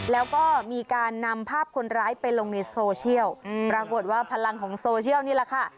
แล้วก็มีการนำภาพคนร้ายไปลงในโซเชียลปรากฏว่าพลังของโซเชียลนี่แหละค่ะ